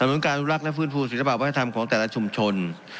สำรวงการรู้รักและฟื้นฟูศิษภาพวัฒนธรรมของแต่ละชุมชน